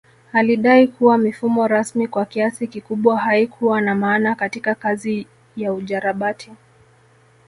Alidai kuwa mifumo rasmi kwa kiasi kikubwa haikuwa na maana katika kazi ya ujarabati